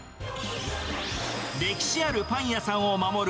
歴史あるパン屋さんを守る！